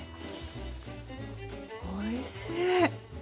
おいしい！